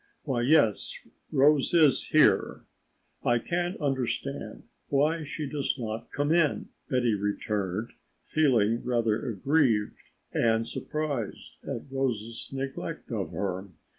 "Why, yes, Rose is here. I can't understand why she does not come in," Betty returned, feeling rather aggrieved and surprised at Rose's neglect of her.